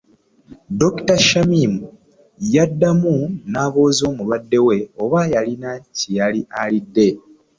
Dr.Shamim yaddamu nabuuza omulwadde we oba yalina kye yali alidde.